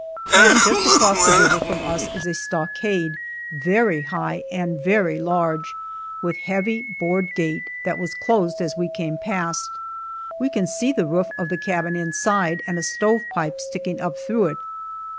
And just across the river from us is a stockade, very high and very large, with heavy board gate that was closed as we came past. We can see the roof of the cabin inside, and a stovepipe sticking up through it.